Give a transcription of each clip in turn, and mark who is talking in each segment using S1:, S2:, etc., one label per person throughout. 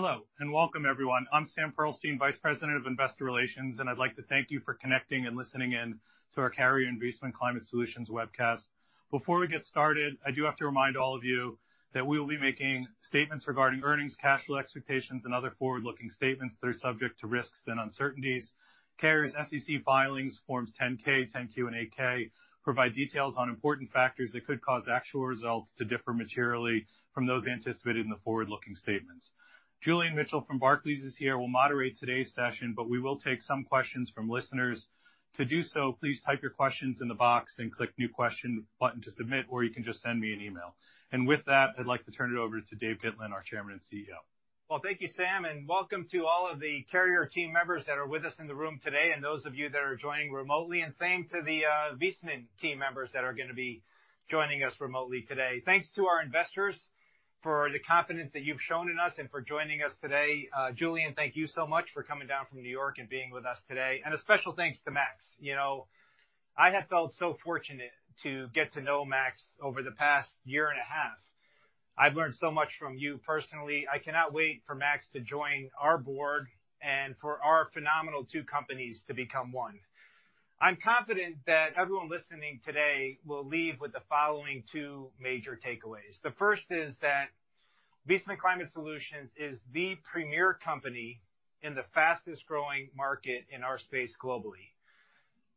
S1: Hello, and welcome, everyone. I'm Sam Pearlstein, Vice President of Investor Relations, and I'd like to thank you for connecting and listening in to our Carrier and Viessmann Climate Solutions webcast. Before we get started, I do have to remind all of you that we will be making statements regarding earnings, cash flow expectations, and other forward-looking statements that are subject to risks and uncertainties. Carrier's SEC filings, forms 10-K, 10-Q, and 8-K, provide details on important factors that could cause actual results to differ materially from those anticipated in the forward-looking statements. Julian Mitchell from Barclays is here, will moderate today's session, but we will take some questions from listeners. To do so, please type your questions in the box, then click new question button to submit, or you can just send me an email. With that, I'd like to turn it over to Dave Gitlin, our Chairman and CEO.
S2: Well, thank you, Sam, and welcome to all of the Carrier team members that are with us in the room today, and those of you that are joining remotely, and same to the Viessmann team members that are gonna be joining us remotely today. Thanks to our investors for the confidence that you've shown in us and for joining us today. Julian, thank you so much for coming down from New York and being with us today. And a special thanks to Max. You know, I have felt so fortunate to get to know Max over the past year and a half. I've learned so much from you personally. I cannot wait for Max to join our board and for our phenomenal two companies to become one. I'm confident that everyone listening today will leave with the following two major takeaways. The first is that Viessmann Climate Solutions is the premier company in the fastest-growing market in our space globally.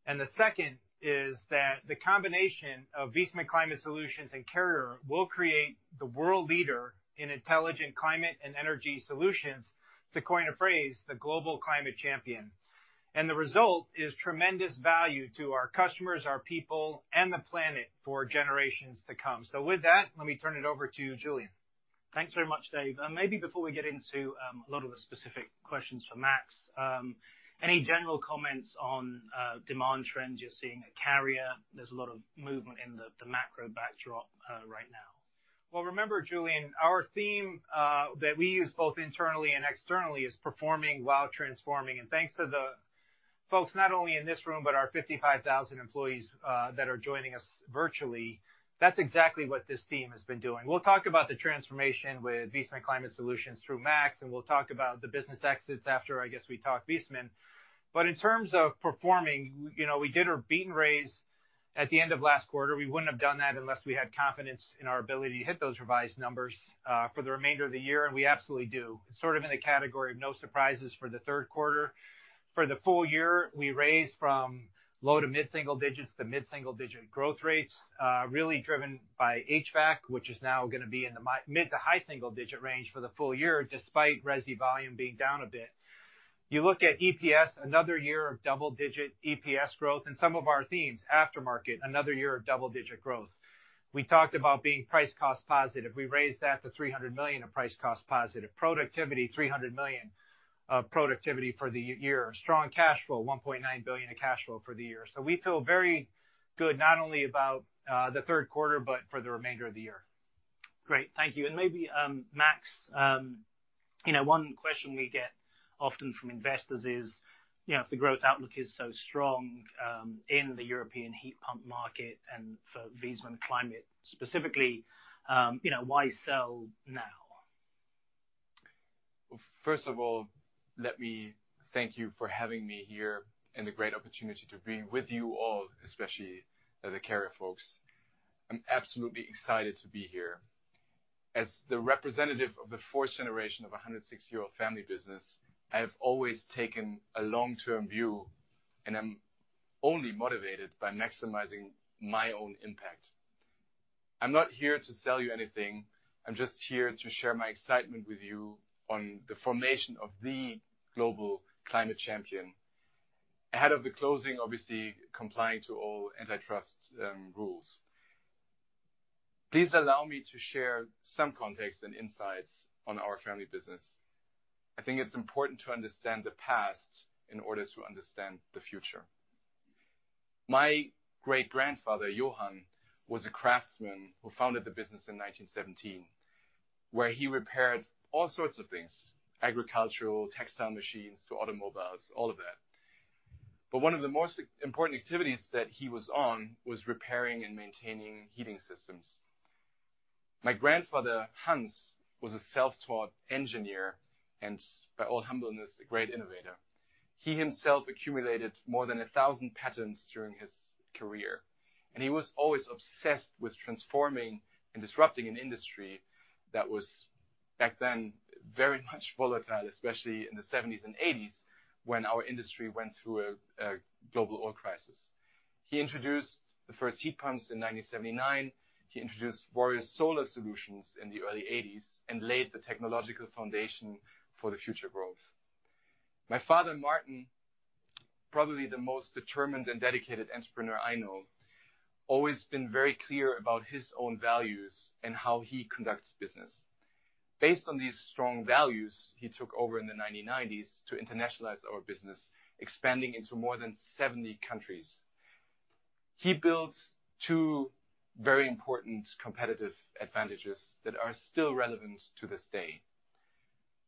S2: The second is that the combination of Viessmann Climate Solutions and Carrier will create the world leader in intelligent climate and energy solutions, to coin a phrase, the global climate champion. The result is tremendous value to our customers, our people, and the planet for generations to come. With that, let me turn it over to Julian.
S3: Thanks very much, Dave. And maybe before we get into a lot of the specific questions for Max, any general comments on demand trends you're seeing at Carrier? There's a lot of movement in the macro backdrop right now.
S2: Well, remember, Julian, our theme, that we use both internally and externally is performing while transforming. And thanks to the folks, not only in this room, but our 55,000 employees, that are joining us virtually, that's exactly what this theme has been doing. We'll talk about the transformation with Viessmann Climate Solutions through Max, and we'll talk about the business exits after, I guess, we talk Viessmann. But in terms of performing, you know, we did our beat and raise at the end of last quarter. We wouldn't have done that unless we had confidence in our ability to hit those revised numbers, for the remainder of the year, and we absolutely do. Sort of in the category of no surprises for the third quarter. For the full year, we raised from low- to mid-single-digit growth rates, really driven by HVAC, which is now gonna be in the mid- to high-single-digit range for the full year, despite resi volume being down a bit. You look at EPS, another year of double-digit EPS growth, and some of our themes, aftermarket, another year of double-digit growth. We talked about being price cost positive. We raised that to $300 million of price cost positive. Productivity, $300 million of productivity for the year. Strong cash flow, $1.9 billion in cash flow for the year. So we feel very good, not only about the third quarter, but for the remainder of the year.
S3: Great. Thank you. And maybe, Max, you know, one question we get often from investors is, you know, if the growth outlook is so strong, in the European heat pump market and for Viessmann Climate specifically, you know, why sell now?
S4: First of all, let me thank you for having me here and the great opportunity to be with you all, especially the Carrier folks. I'm absolutely excited to be here. As the representative of the fourth generation of a 106-year-old family business, I have always taken a long-term view, and I'm only motivated by maximizing my own impact. I'm not here to sell you anything. I'm just here to share my excitement with you on the formation of the global climate champion. Ahead of the closing, obviously complying to all antitrust rules. Please allow me to share some context and insights on our family business. I think it's important to understand the past in order to understand the future. My great-grandfather, Johann, was a craftsman who founded the business in 1917, where he repaired all sorts of things, agricultural, textile machines to automobiles, all of that. But one of the most important activities that he was on was repairing and maintaining heating systems. My grandfather, Hans, was a self-taught engineer and by all humbleness, a great innovator. He himself accumulated more than 1,000 patents during his career, and he was always obsessed with transforming and disrupting an industry that was, back then, very much volatile, especially in the seventies and eighties, when our industry went through a global oil crisis. He introduced the first heat pumps in 1979. He introduced various solar solutions in the early 1980s and laid the technological foundation for the future growth. My father, Martin, probably the most determined and dedicated entrepreneur I know, always been very clear about his own values and how he conducts business. Based on these strong values, he took over in the 1990s to internationalize our business, expanding into more than 70 countries. He built two very important competitive advantages that are still relevant to this day.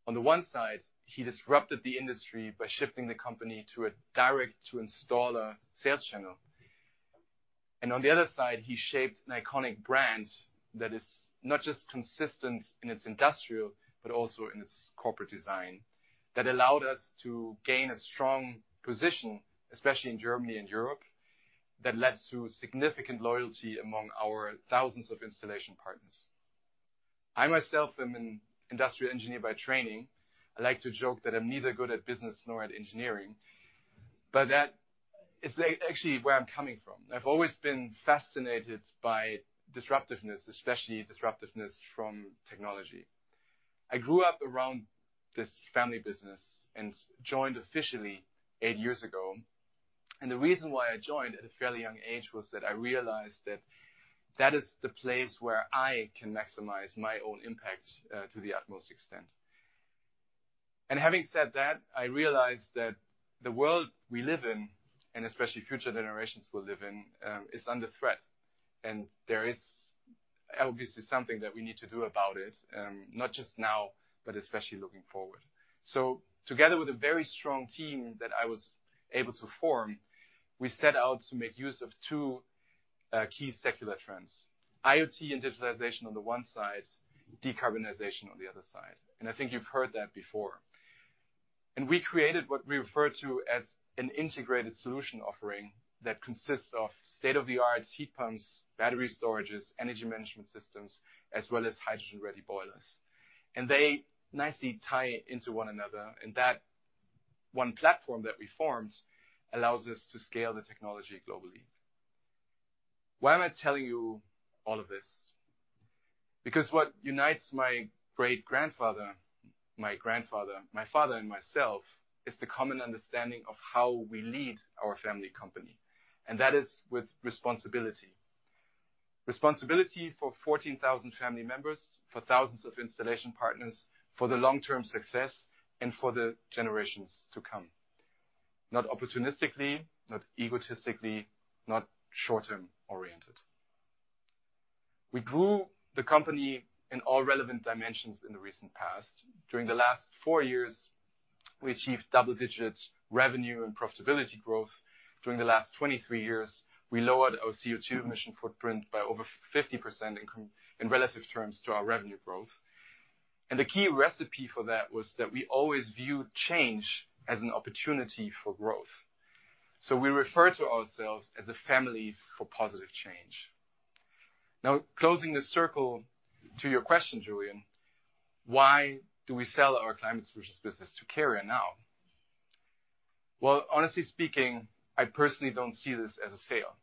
S4: On the one side, he disrupted the industry by shifting the company to a direct-to-installer sales channel.... And on the other side, he shaped an iconic brand that is not just consistent in its industrial, but also in its corporate design, that allowed us to gain a strong position, especially in Germany and Europe, that led to significant loyalty among our thousands of installation partners. I myself am an industrial engineer by training. I like to joke that I'm neither good at business nor at engineering, but that is, actually, where I'm coming from. I've always been fascinated by disruptiveness, especially disruptiveness from technology. I grew up around this family business and joined officially eight years ago. The reason why I joined at a fairly young age was that I realized that that is the place where I can maximize my own impact to the utmost extent. Having said that, I realized that the world we live in, and especially future generations will live in, is under threat, and there is obviously something that we need to do about it, not just now, but especially looking forward. So together with a very strong team that I was able to form, we set out to make use of two key secular trends: IoT and digitalization on the one side, decarbonization on the other side. I think you've heard that before. We created what we refer to as an integrated solution offering that consists of state-of-the-art heat pumps, battery storages, energy management systems, as well as hydrogen-ready boilers. They nicely tie into one another, and that one platform that we formed allows us to scale the technology globally. Why am I telling you all of this? Because what unites my great-grandfather, my grandfather, my father, and myself, is the common understanding of how we lead our family company, and that is with responsibility. Responsibility for 14,000 family members, for thousands of installation partners, for the long-term success, and for the generations to come. Not opportunistically, not egotistically, not short-term oriented. We grew the company in all relevant dimensions in the recent past. During the last four years, we achieved double-digit revenue and profitability growth. During the last 23 years, we lowered our CO₂ emission footprint by over 50% in relative terms to our revenue growth. The key recipe for that was that we always viewed change as an opportunity for growth. So we refer to ourselves as a family for positive change. Now, closing the circle to your question, Julian: Why do we sell our climate solutions business to Carrier now? Well, honestly speaking, I personally don't see this as a sale.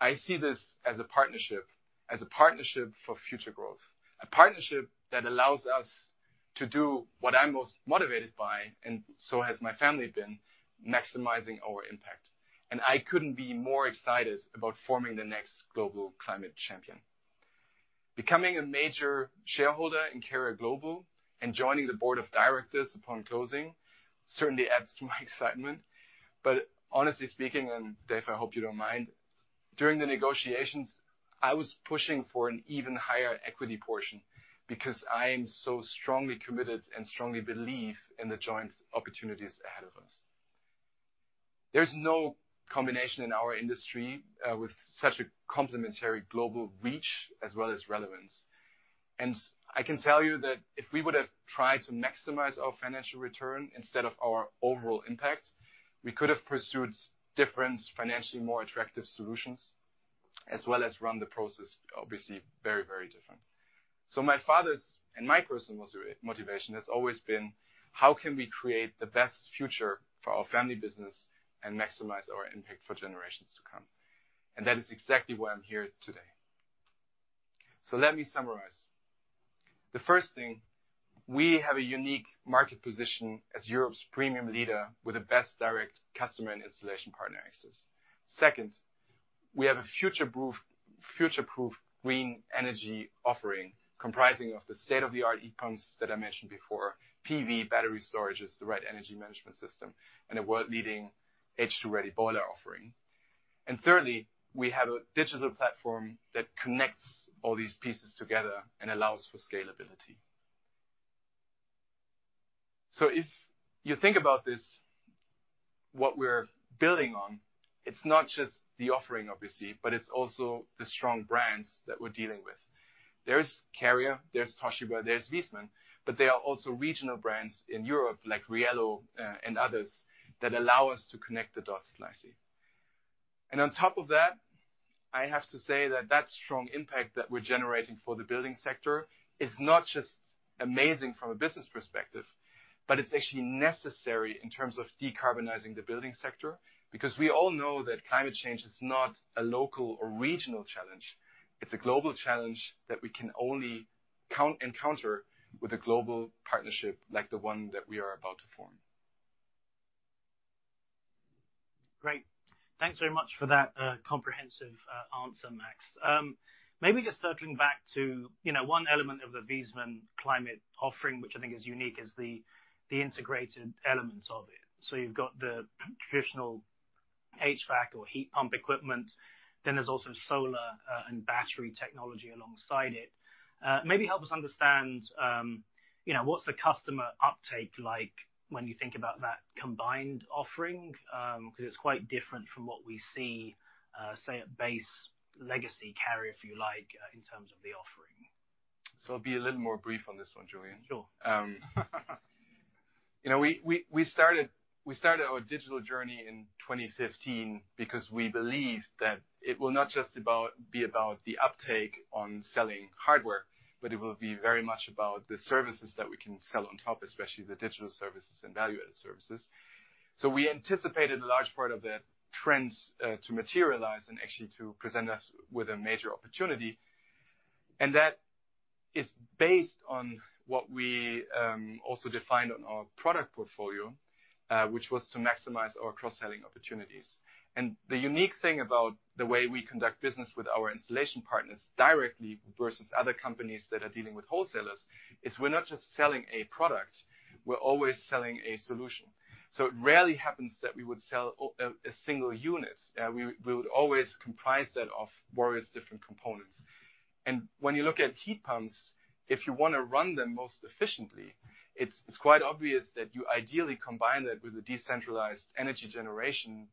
S4: I see this as a partnership, as a partnership for future growth, a partnership that allows us to do what I'm most motivated by, and so has my family been, maximizing our impact. And I couldn't be more excited about forming the next global climate champion. Becoming a major shareholder in Carrier Global and joining the board of directors upon closing, certainly adds to my excitement. But honestly speaking, and Dave, I hope you don't mind, during the negotiations, I was pushing for an even higher equity portion because I am so strongly committed and strongly believe in the joint opportunities ahead of us. There's no combination in our industry with such a complementary global reach as well as relevance. And I can tell you that if we would have tried to maximize our financial return instead of our overall impact, we could have pursued different, financially more attractive solutions, as well as run the process, obviously, very, very different. So my father's and my personal motivation has always been: How can we create the best future for our family business and maximize our impact for generations to come? And that is exactly why I'm here today. So let me summarize. The first thing, we have a unique market position as Europe's premium leader with the best direct customer and installation partner access. Second, we have a future-proof, future-proof green energy offering, comprising of the state-of-the-art heat pumps that I mentioned before, PV battery storages, the right energy management system, and a world-leading H2-ready boiler offering. Thirdly, we have a digital platform that connects all these pieces together and allows for scalability. So if you think about this, what we're building on, it's not just the offering, obviously, but it's also the strong brands that we're dealing with. There's Carrier, there's Toshiba, there's Viessmann, but there are also regional brands in Europe, like Riello, and others, that allow us to connect the dots nicely. On top of that, I have to say that that strong impact that we're generating for the building sector is not just amazing from a business perspective, but it's actually necessary in terms of decarbonizing the building sector, because we all know that climate change is not a local or regional challenge. It's a global challenge that we can only encounter with a global partnership like the one that we are about to form.
S3: Great. Thanks very much for that, comprehensive, answer, Max. Maybe just circling back to, you know, one element of the Viessmann Climate offering, which I think is unique, is the integrated elements of it. So you've got the traditional HVAC or heat pump equipment, then there's also solar, and battery technology alongside it. Maybe help us understand, you know, what's the customer uptake like when you think about that combined offering? Because it's quite different from what we see, say, at base legacy Carrier, if you like, in terms of the offering....
S4: So I'll be a little more brief on this one, Julian.
S3: Sure.
S4: You know, we started our digital journey in 2015 because we believed that it will not just be about the uptake on selling hardware, but it will be very much about the services that we can sell on top, especially the digital services and value-added services. So we anticipated a large part of the trends to materialize and actually to present us with a major opportunity. And that is based on what we also defined on our product portfolio, which was to maximize our cross-selling opportunities. And the unique thing about the way we conduct business with our installation partners directly, versus other companies that are dealing with wholesalers, is we're not just selling a product, we're always selling a solution. So it rarely happens that we would sell a single unit. We would always comprise that of various different components. And when you look at heat pumps, if you want to run them most efficiently, it's quite obvious that you ideally combine that with a decentralized energy generation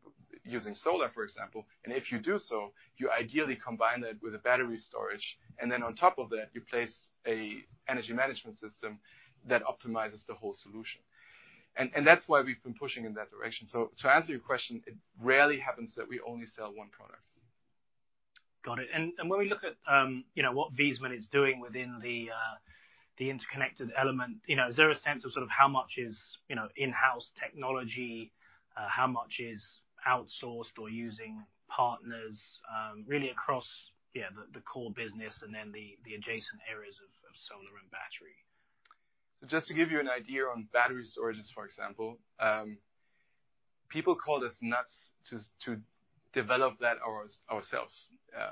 S4: using solar, for example. And if you do so, you ideally combine that with a battery storage, and then on top of that, you place an energy management system that optimizes the whole solution. And that's why we've been pushing in that direction. So to answer your question, it rarely happens that we only sell one product.
S3: Got it. And when we look at, you know, what Viessmann is doing within the, the interconnected element, you know, is there a sense of sort of how much is, you know, in-house technology? How much is outsourced or using partners, really across, yeah, the, the core business and then the, the adjacent areas of, of solar and battery?
S4: So just to give you an idea on battery storages, for example, people called us nuts to develop that ourselves.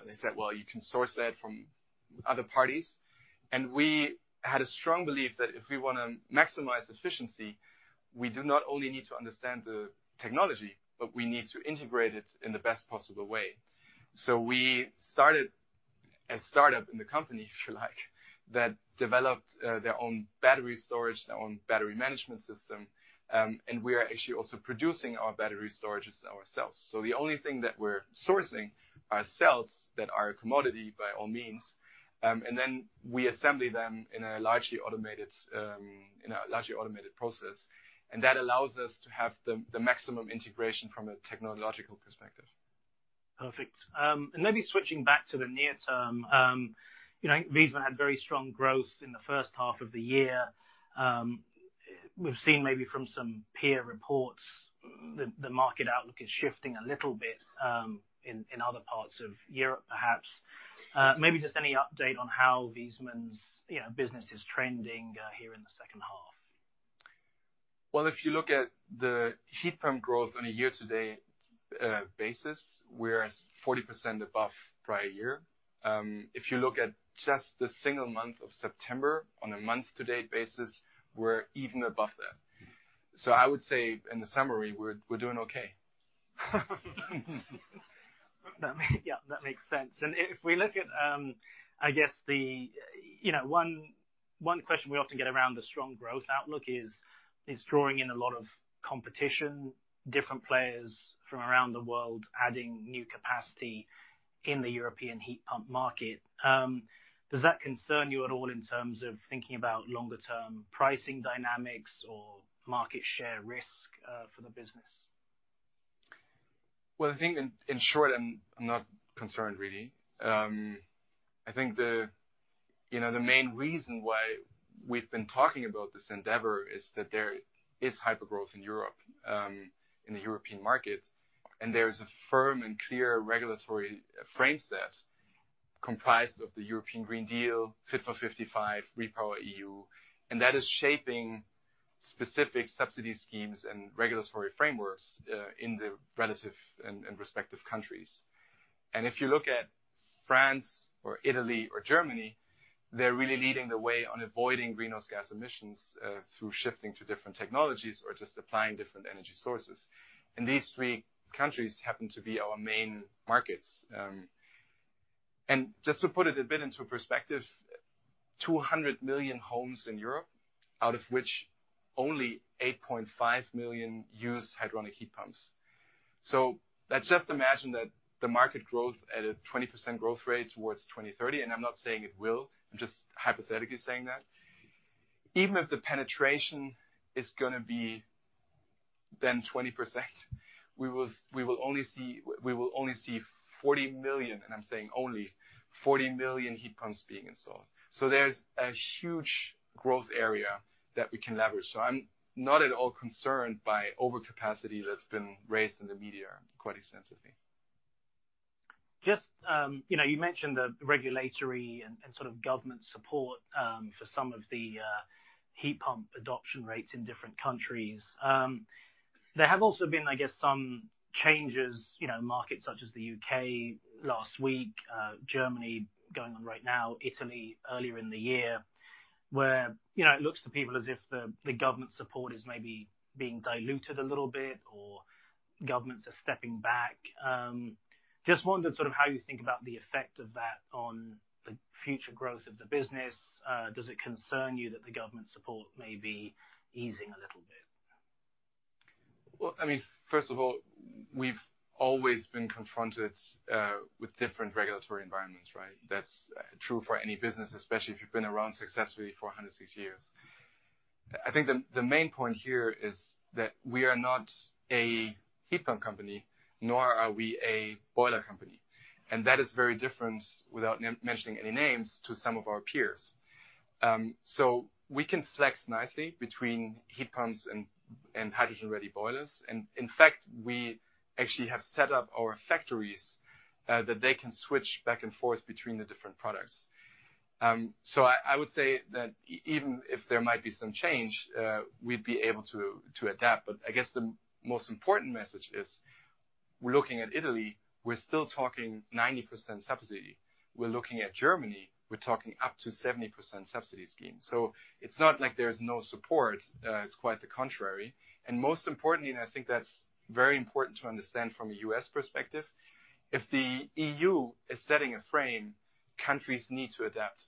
S4: They said, "Well, you can source that from other parties." And we had a strong belief that if we wanna maximize efficiency, we do not only need to understand the technology, but we need to integrate it in the best possible way. So we started a startup in the company, if you like, that developed their own battery storage, their own battery management system. And we are actually also producing our battery storages ourselves. So the only thing that we're sourcing are cells that are a commodity, by all means, and then we assemble them in a largely automated process. And that allows us to have the maximum integration from a technological perspective.
S3: Perfect. Maybe switching back to the near term, you know, Viessmann had very strong growth in the first half of the year. We've seen maybe from some peer reports, the market outlook is shifting a little bit in other parts of Europe, perhaps. Maybe just any update on how Viessmann's, you know, business is trending here in the second half?
S4: Well, if you look at the heat pump growth on a year-to-date basis, we're at 40% above prior year. If you look at just the single month of September, on a month-to-date basis, we're even above that. So I would say in the summary, we're, we're doing okay.
S3: Yeah, that makes sense. And if we look at, I guess, the, you know, one question we often get around the strong growth outlook is drawing in a lot of competition, different players from around the world, adding new capacity in the European heat pump market. Does that concern you at all in terms of thinking about longer term pricing dynamics or market share risk, for the business?
S4: Well, I think in short, I'm not concerned really. I think the, you know, the main reason why we've been talking about this endeavor is that there is hypergrowth in Europe in the European market, and there's a firm and clear regulatory framework comprised of the European Green Deal, Fit for 55, REPowerEU, and that is shaping specific subsidy schemes and regulatory frameworks in the relevant and respective countries. And if you look at France or Italy or Germany, they're really leading the way on avoiding greenhouse gas emissions through shifting to different technologies or just applying different energy sources. And these three countries happen to be our main markets. Just to put it a bit into perspective, 200 million homes in Europe, out of which only 8.5 million use hydronic heat pumps. So let's just imagine that the market growth at a 20% growth rate towards 2030, and I'm not saying it will, I'm just hypothetically saying that. Even if the penetration is gonna be then 20%, we will only see 40 million, and I'm saying only, 40 million heat pumps being installed. So there's a huge growth area that we can leverage. So I'm not at all concerned by overcapacity that's been raised in the media quite extensively.
S3: Just, you know, you mentioned the regulatory and, and sort of government support, for some of the, heat pump adoption rates in different countries. There have also been, I guess, some changes, you know, markets such as the U.K. last week, Germany, going on right now, Italy earlier in the year, where, you know, it looks to people as if the, the government support is maybe being diluted a little bit or governments are stepping back. Just wondered sort of how you think about the effect of that on the future growth of the business. Does it concern you that the government support may be easing a little bit?...
S4: Well, I mean, first of all, we've always been confronted with different regulatory environments, right? That's true for any business, especially if you've been around successfully for 106 years. I think the main point here is that we are not a heat pump company, nor are we a boiler company, and that is very different, without mentioning any names, to some of our peers. So we can flex nicely between heat pumps and hydrogen-ready boilers. And in fact, we actually have set up our factories that they can switch back and forth between the different products. So I would say that even if there might be some change, we'd be able to adapt. But I guess the most important message is, we're looking at Italy, we're still talking 90% subsidy. We're looking at Germany, we're talking up to 70% subsidy scheme. So it's not like there's no support, it's quite the contrary. And most importantly, and I think that's very important to understand from a U.S. perspective, if the EU is setting a frame, countries need to adapt.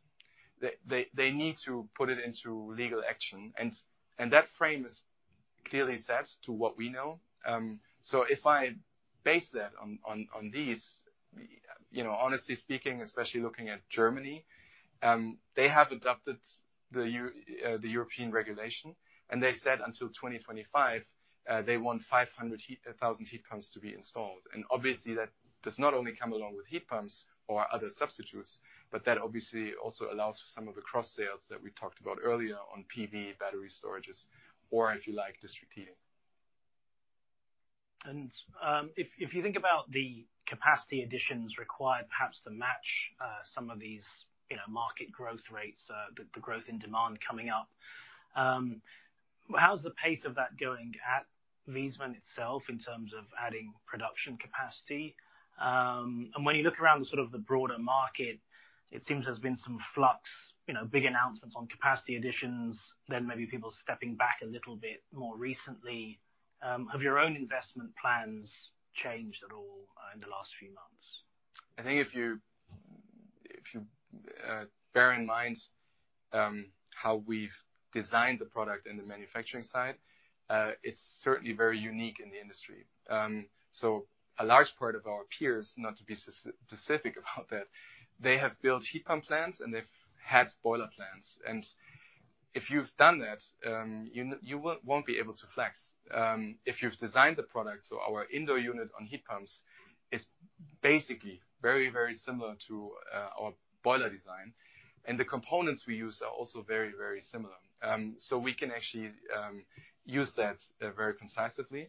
S4: They need to put it into legal action, and that frame is clearly set to what we know. So if I base that on this, you know, honestly speaking, especially looking at Germany, they have adopted the European regulation, and they said until 2025, they want 500,000 heat pumps to be installed. And obviously, that does not only come along with heat pumps or other substitutes, but that obviously also allows for some of the cross sales that we talked about earlier on PV, battery storages, or, if you like, district heating.
S3: If you think about the capacity additions required, perhaps to match some of these, you know, market growth rates, the growth in demand coming up, how's the pace of that going at Viessmann itself in terms of adding production capacity? When you look around the sort of the broader market, it seems there's been some flux, you know, big announcements on capacity additions, then maybe people stepping back a little bit more recently. Have your own investment plans changed at all in the last few months?
S4: I think if you bear in mind how we've designed the product in the manufacturing side, it's certainly very unique in the industry. So a large part of our peers, not to be specific about that, they have built heat pump plants, and they've had boiler plants. If you've done that, you won't be able to flex. If you've designed the product, so our indoor unit on heat pumps is basically very, very similar to our boiler design, and the components we use are also very, very similar. So we can actually use that very concisively.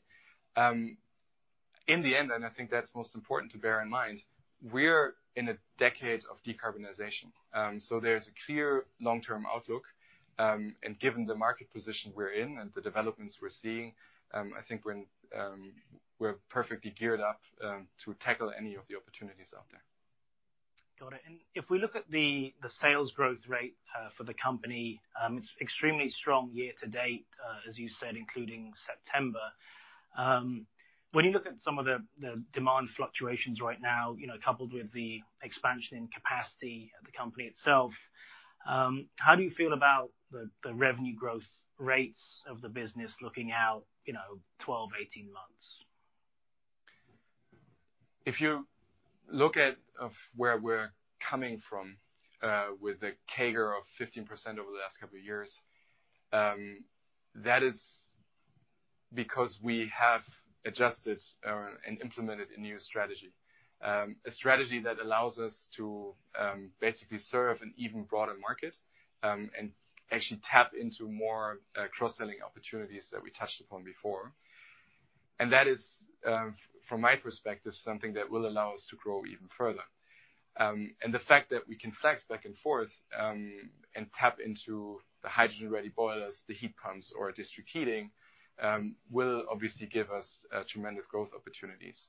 S4: In the end, and I think that's most important to bear in mind, we're in a decade of decarbonization. So there's a clear long-term outlook, and given the market position we're in and the developments we're seeing, I think we're perfectly geared up to tackle any of the opportunities out there.
S3: Got it. If we look at the sales growth rate for the company, it's extremely strong year to date, as you said, including September. When you look at some of the demand fluctuations right now, you know, coupled with the expansion in capacity of the company itself, how do you feel about the revenue growth rates of the business looking out, you know, 12, 18 months?
S4: If you look at where we're coming from, with a CAGR of 15% over the last couple of years, that is because we have adjusted and implemented a new strategy. A strategy that allows us to basically serve an even broader market and actually tap into more cross-selling opportunities that we touched upon before. That is, from my perspective, something that will allow us to grow even further. The fact that we can flex back and forth and tap into the hydrogen-ready boilers, the heat pumps, or district heating will obviously give us tremendous growth opportunities.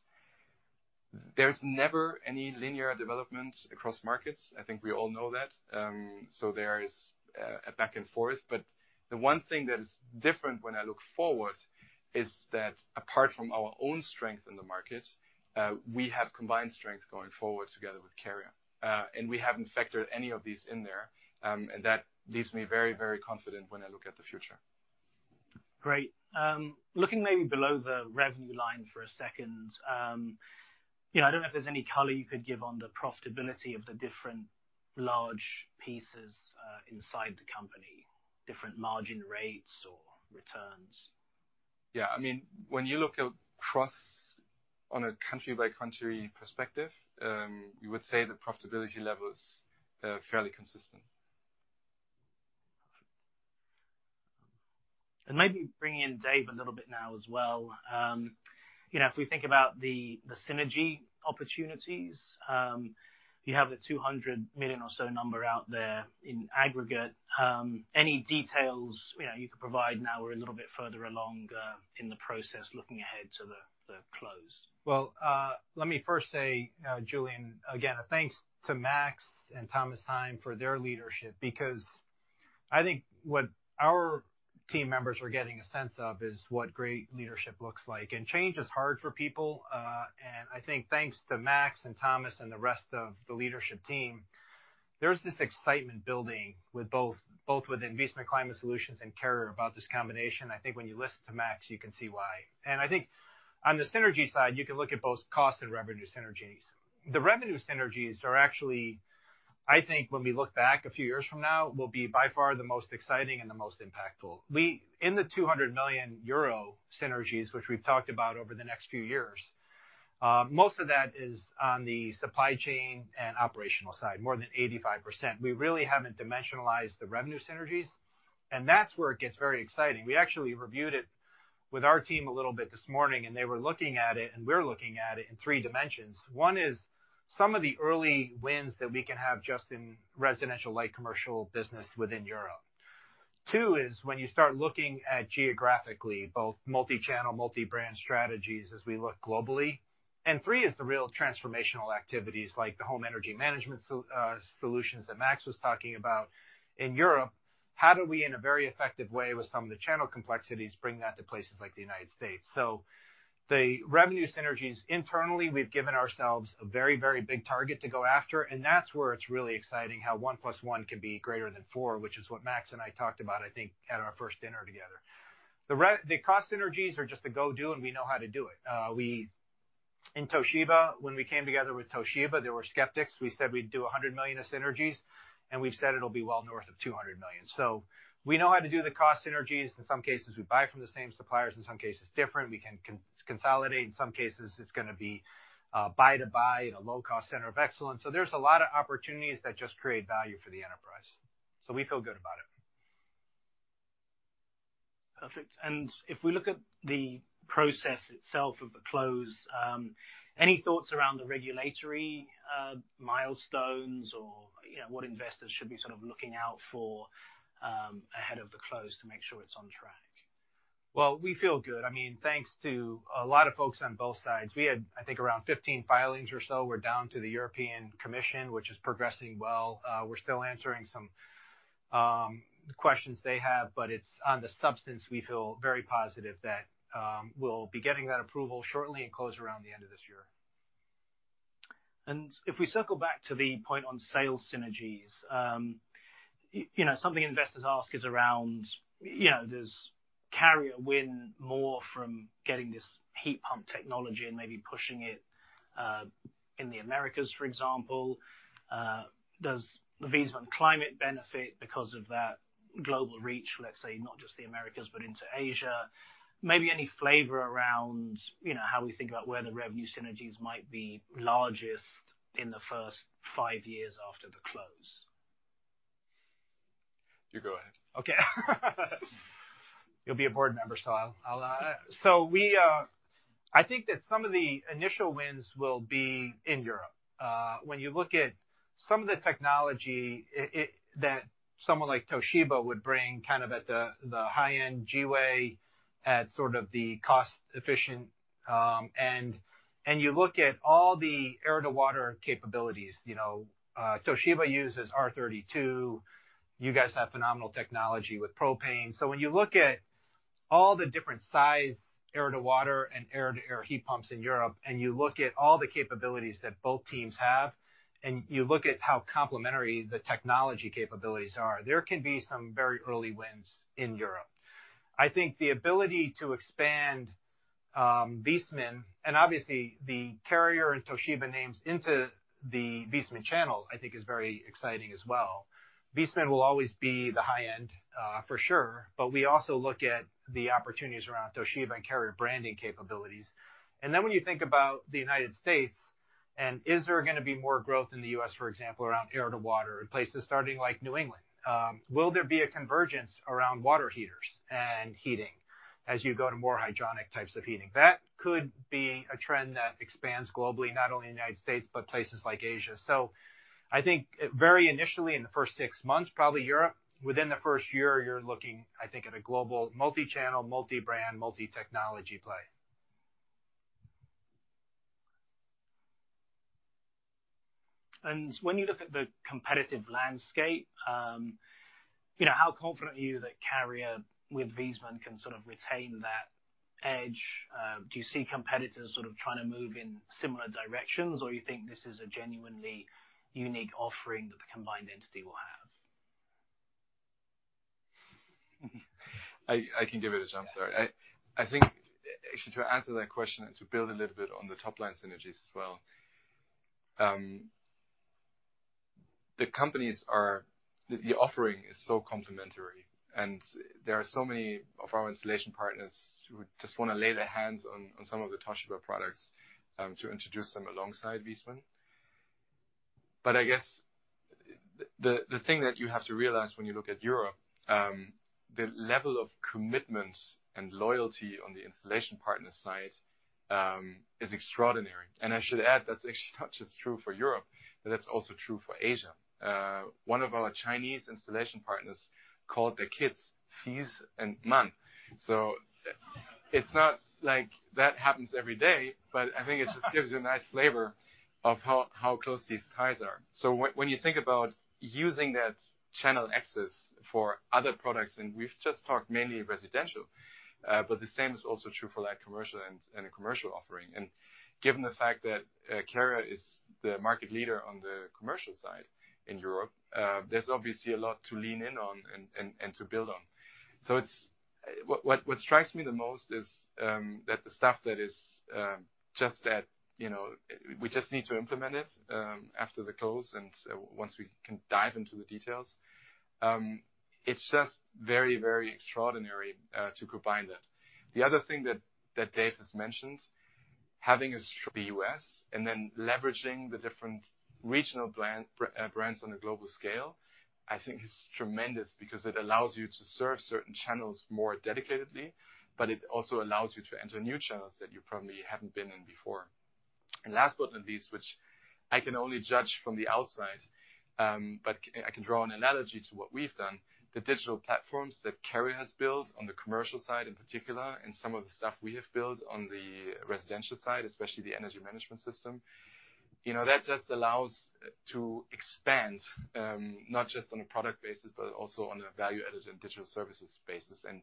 S4: There's never any linear development across markets. I think we all know that, so there is a back and forth. But the one thing that is different when I look forward is that apart from our own strength in the market, we have combined strengths going forward together with Carrier, and we haven't factored any of these in there. And that leaves me very, very confident when I look at the future.
S3: Great. Looking maybe below the revenue line for a second, you know, I don't know if there's any color you could give on the profitability of the different large pieces inside the company, different margin rates or returns.
S4: Yeah. I mean, when you look across, on a country-by-country perspective, you would say the profitability levels are fairly consistent.
S3: And maybe bringing in Dave a little bit now as well. You know, if we think about the synergy opportunities, you have a $200 million or so number out there in aggregate. Any details, you know, you could provide now we're a little bit further along in the process, looking ahead to the close?
S2: Well, let me first say, Julian, again, a thanks to Max and Thomas Heim for their leadership, because I think what our team members are getting a sense of is what great leadership looks like. And change is hard for people, and I think thanks to Max and Thomas and the rest of the leadership team. There's this excitement building with both, both with Viessmann Climate Solutions and Carrier about this combination. I think when you listen to Max, you can see why. And I think on the synergy side, you can look at both cost and revenue synergies. The revenue synergies are actually, I think, when we look back a few years from now, will be by far the most exciting and the most impactful. In the 200 million euro synergies, which we've talked about over the next few years, most of that is on the supply chain and operational side, more than 85%. We really haven't dimensionalized the revenue synergies, and that's where it gets very exciting. We actually reviewed it with our team a little bit this morning, and they were looking at it, and we're looking at it in three dimensions. One is some of the early wins that we can have just in residential, light commercial business within Europe. Two is when you start looking at geographically, both multi-channel, multi-brand strategies as we look globally. And three is the real transformational activities like the home energy management solutions that Max was talking about in Europe. How do we, in a very effective way, with some of the channel complexities, bring that to places like the United States? So the revenue synergies, internally, we've given ourselves a very, very big target to go after, and that's where it's really exciting, how one plus one can be greater than four, which is what Max and I talked about, I think, at our first dinner together. The cost synergies are just a go do, and we know how to do it. We, in Toshiba, when we came together with Toshiba, there were skeptics. We said we'd do $100 million of synergies, and we've said it'll be well north of $200 million. So we know how to do the cost synergies. In some cases, we buy from the same suppliers, in some cases, different. We can consolidate. In some cases, it's gonna be, buy to buy in a low-cost center of excellence. So there's a lot of opportunities that just create value for the enterprise. So we feel good about it.
S3: Perfect. And if we look at the process itself of the close, any thoughts around the regulatory milestones or, you know, what investors should be sort of looking out for, ahead of the close to make sure it's on track?
S2: Well, we feel good. I mean, thanks to a lot of folks on both sides. We had, I think, around 15 filings or so. We're down to the European Commission, which is progressing well. We're still answering some questions they have, but it's on the substance, we feel very positive that we'll be getting that approval shortly and close around the end of this year.
S3: If we circle back to the point on sales synergies, you know, something investors ask is around, you know, does Carrier win more from getting this heat pump technology and maybe pushing it in the Americas, for example? Does the Viessmann Climate benefit because of that global reach, let's say, not just the Americas, but into Asia? Maybe any flavor around, you know, how we think about where the revenue synergies might be largest in the first five years after the close.
S4: You go ahead.
S2: Okay. You'll be a board member, so I'll. So I think that some of the initial wins will be in Europe. When you look at some of the technology that someone like Toshiba would bring, kind of at the high-end Giwee, at sort of the cost-efficient, and you look at all the air-to-water capabilities, you know, Toshiba uses R32. You guys have phenomenal technology with propane. So when you look at all the different size air-to-water and air-to-air heat pumps in Europe, and you look at all the capabilities that both teams have, and you look at how complementary the technology capabilities are, there can be some very early wins in Europe. I think the ability to expand Viessmann, and obviously, the Carrier and Toshiba names into the Viessmann channel, I think is very exciting as well. Viessmann will always be the high end, for sure, but we also look at the opportunities around Toshiba and Carrier branding capabilities. And then when you think about the United States, and is there gonna be more growth in the U.S., for example, around air-to-water, places starting like New England? Will there be a convergence around water heaters and heating as you go to more hydronic types of heating? That could be a trend that expands globally, not only in United States, but places like Asia. So I think very initially, in the first six months, probably Europe, within the first year, you're looking, I think, at a global, multi-channel, multi-brand, multi-technology play.
S3: When you look at the competitive landscape, you know, how confident are you that Carrier with Viessmann can sort of retain that edge? Do you see competitors sort of trying to move in similar directions, or you think this is a genuinely unique offering that the combined entity will have?
S4: I can give it a shot. I'm sorry. I think, actually, to answer that question and to build a little bit on the top-line synergies as well, the offering is so complementary, and there are so many of our installation partners who just wanna lay their hands on some of the Toshiba products to introduce them alongside Viessmann. But I guess the thing that you have to realize when you look at Europe, the level of commitment and loyalty on the installation partner side is extraordinary. And I should add, that's actually not just true for Europe, but that's also true for Asia. One of our Chinese installation partners called their kids Viessmann. So it's not like that happens every day, but I think it just gives you a nice flavor of how close these ties are. So when you think about using that channel access for other products, and we've just talked mainly residential, but the same is also true for light commercial and commercial offering. And given the fact that Carrier is the market leader on the commercial side in Europe, there's obviously a lot to lean in on and to build on. So what strikes me the most is that the stuff that is just that, you know, we just need to implement it after the close, and once we can dive into the details. It's just very, very extraordinary to combine that. The other thing that, that Dave has mentioned, having a strong U.S. and then leveraging the different regional brand, brands on a global scale, I think is tremendous because it allows you to serve certain channels more dedicatedly, but it also allows you to enter new channels that you probably haven't been in before. And last but not least, which I can only judge from the outside, but I can draw an analogy to what we've done. The digital platforms that Carrier has built on the commercial side, in particular, and some of the stuff we have built on the residential side, especially the energy management system, you know, that just allows to expand, not just on a product basis, but also on a value-added and digital services basis. And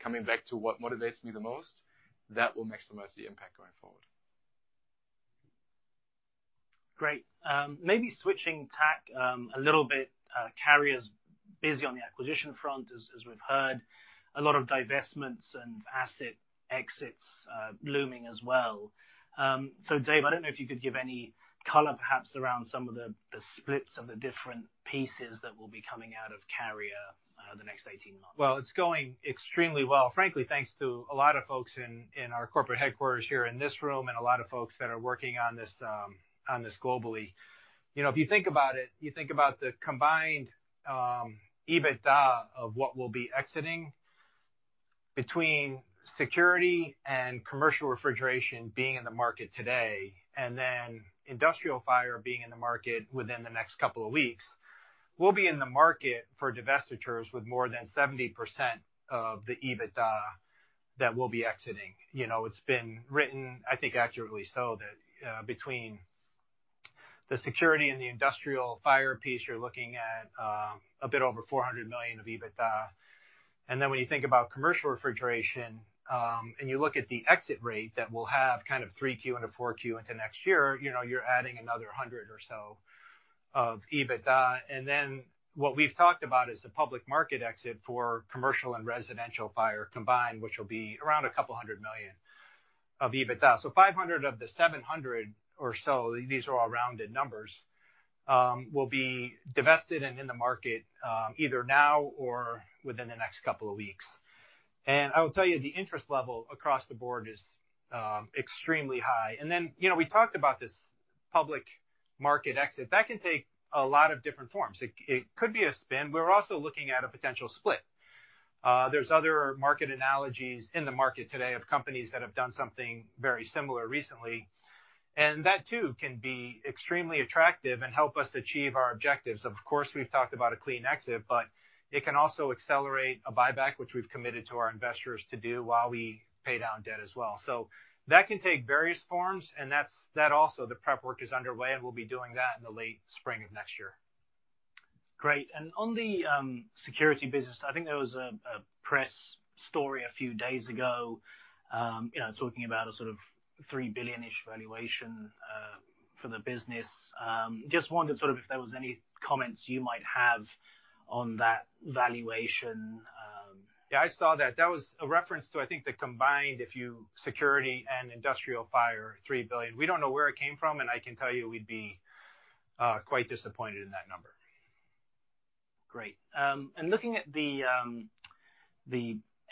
S4: coming back to what motivates me the most, that will maximize the impact going forward.
S3: Great. Maybe switching tack, a little bit, Carrier's busy on the acquisition front, as we've heard. A lot of divestments and asset exits, looming as well. So, Dave, I don't know if you could give any color, perhaps, around some of the splits of the different pieces that will be coming out of Carrier, the next 18 months.
S2: Well, it's going extremely well, frankly, thanks to a lot of folks in our corporate headquarters here in this room, and a lot of folks that are working on this, on this globally. You know, if you think about it, you think about the combined EBITDA of what we'll be exiting between security and commercial refrigeration being in the market today, and then industrial fire being in the market within the next couple of weeks. We'll be in the market for divestitures with more than 70% of the EBITDA that we'll be exiting. You know, it's been written, I think, accurately so, that between the security and the industrial fire piece, you're looking at a bit over $400 million of EBITDA. And then when you think about commercial refrigeration, and you look at the exit rate that we'll have kind of 3Q and a 4Q into next year, you know, you're adding another $100 million or so of EBITDA. And then what we've talked about is the public market exit for commercial and residential fire combined, which will be around $200 million of EBITDA. So $500 million of the $700 million or so, these are all rounded numbers, will be divested and in the market, either now or within the next couple of weeks. And I will tell you, the interest level across the board is extremely high. And then, you know, we talked about this public market exit. That can take a lot of different forms. It could be a spin. We're also looking at a potential split. There's other market analogies in the market today of companies that have done something very similar recently, and that too, can be extremely attractive and help us achieve our objectives. Of course, we've talked about a clean exit, but it can also accelerate a buyback, which we've committed to our investors to do while we pay down debt as well. So that can take various forms, and that's also, the prep work is underway, and we'll be doing that in the late spring of next year.
S3: Great. And on the security business, I think there was a press story a few days ago, you know, talking about a sort of $3 billion-ish valuation for the business. Just wondered sort of if there was any comments you might have on that valuation?
S2: Yeah, I saw that. That was a reference to, I think, the combined, if you security and industrial fire, $3 billion. We don't know where it came from, and I can tell you we'd be quite disappointed in that number.
S3: Great. And looking at the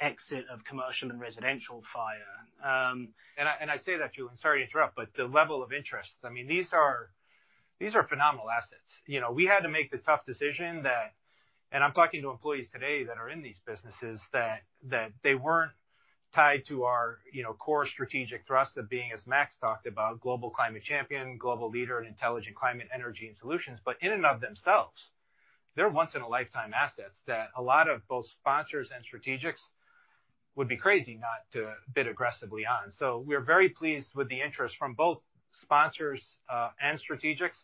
S3: exit of commercial and residential fire,
S2: And I say that to you, sorry to interrupt, but the level of interest, I mean, these are phenomenal assets. You know, we had to make the tough decision that... And I'm talking to employees today that are in these businesses, that they weren't tied to our, you know, core strategic thrust of being, as Max talked about, global climate champion, global leader in intelligent climate, energy and solutions. But in and of themselves, they're once in a lifetime assets that a lot of both sponsors and strategics would be crazy not to bid aggressively on. So we're very pleased with the interest from both sponsors and strategics.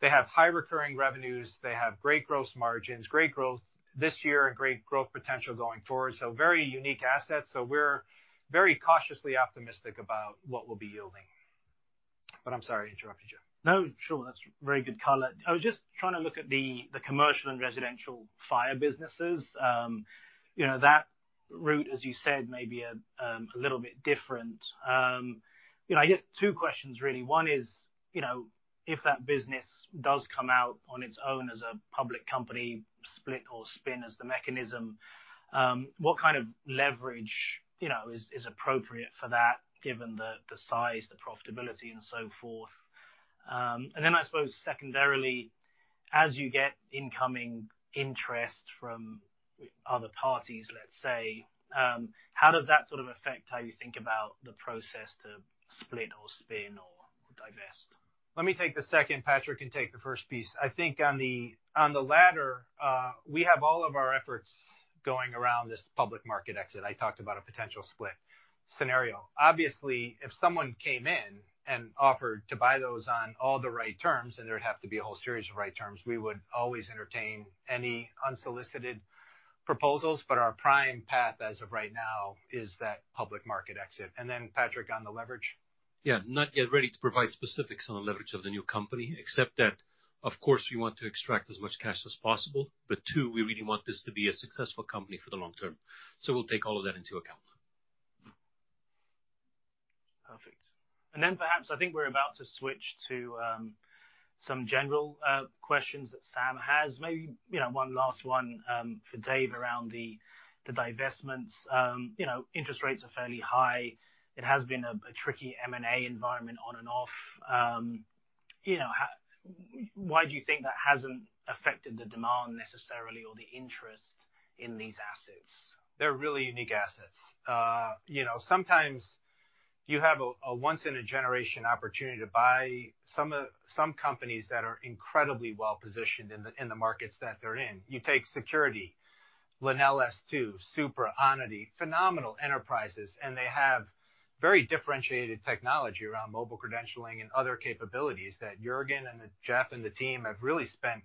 S2: They have high recurring revenues, they have great growth margins, great growth this year and great growth potential going forward. So very unique assets. So we're very cautiously optimistic about what we'll be yielding. But I'm sorry I interrupted you.
S3: No, sure. That's very good color. I was just trying to look at the commercial and residential fire businesses. You know, that route, as you said, may be a little bit different. You know, I guess two questions, really. One is, you know, if that business does come out on its own as a public company, split or spin as the mechanism, what kind of leverage, you know, is appropriate for that, given the size, the profitability, and so forth? And then I suppose secondarily, as you get incoming interest from other parties, let's say, how does that sort of affect how you think about the process to split or spin or divest?
S2: Let me take the second. Patrick can take the first piece. I think on the, on the latter, we have all of our efforts going around this public market exit. I talked about a potential split scenario. Obviously, if someone came in and offered to buy those on all the right terms, and there'd have to be a whole series of right terms, we would always entertain any unsolicited proposals, but our prime path, as of right now-...
S3: is that public market exit? And then Patrick, on the leverage.
S5: Yeah, not yet ready to provide specifics on the leverage of the new company, except that, of course, we want to extract as much cash as possible, but two, we really want this to be a successful company for the long term. So we'll take all of that into account.
S3: Perfect. Then perhaps, I think we're about to switch to some general questions that Sam has. Maybe, you know, one last one for Dave around the divestments. You know, interest rates are fairly high. It has been a tricky M&A environment on and off. You know, why do you think that hasn't affected the demand necessarily or the interest in these assets?
S2: They're really unique assets. You know, sometimes you have a once-in-a-generation opportunity to buy some of some companies that are incredibly well-positioned in the markets that they're in. You take security, LenelS2, Supra, Onity, phenomenal enterprises, and they have very differentiated technology around mobile credentialing and other capabilities that Julian and Jeff and the team have really spent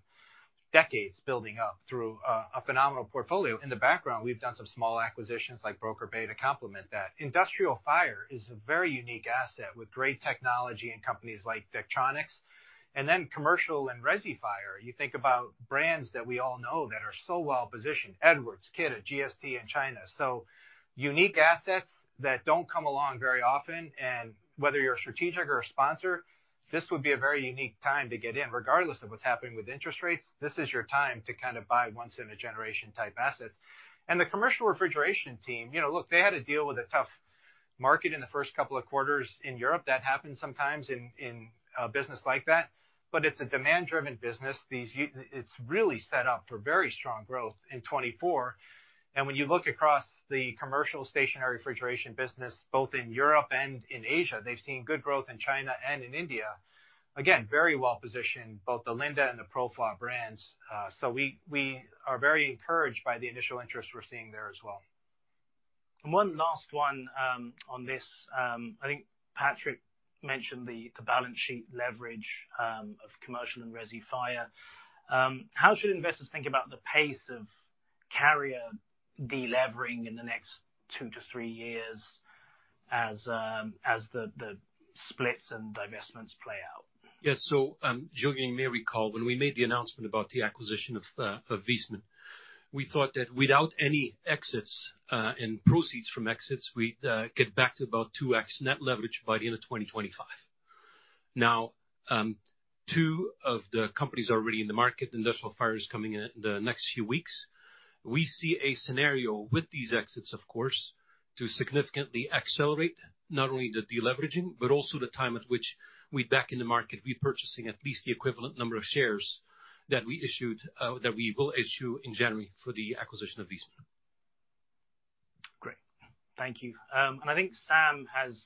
S2: decades building up through a phenomenal portfolio. In the background, we've done some small acquisitions, like BrokerBay, to complement that. Industrial fire is a very unique asset with great technology and companies like Det-Tronics, and then commercial and resi fire. You think about brands that we all know that are so well positioned, Edwards, Kidde, GST in China. So unique assets that don't come along very often, and whether you're a strategic or a sponsor, this would be a very unique time to get in. Regardless of what's happening with interest rates, this is your time to kind of buy once-in-a-generation type assets. And the commercial refrigeration team, you know, look, they had to deal with a tough market in the first couple of quarters in Europe. That happens sometimes in a business like that, but it's a demand-driven business. These, it's really set up for very strong growth in 2024. And when you look across the commercial stationary refrigeration business, both in Europe and in Asia, they've seen good growth in China and in India. Again, very well-positioned, both the Linde and the Profroid brands. So we, we are very encouraged by the initial interest we're seeing there as well.
S3: One last one, on this. I think Patrick mentioned the balance sheet leverage of commercial and resi fire. How should investors think about the pace of Carrier delevering in the next two to three years as the splits and divestments play out?
S5: Yes. So, Julian, you may recall, when we made the announcement about the acquisition of Viessmann, we thought that without any exits and proceeds from exits, we'd get back to about 2x net leverage by the end of 2025. Now, two of the companies are already in the market, Industrial Fire is coming in the next few weeks. We see a scenario with these exits, of course, to significantly accelerate not only the deleveraging, but also the time at which we back in the market, repurchasing at least the equivalent number of shares that we issued that we will issue in January for the acquisition of Viessmann.
S3: Great. Thank you. And I think Sam has